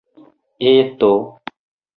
Eto?